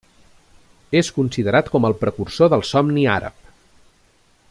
És considerat com el precursor del somni àrab.